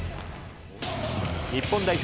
日本代表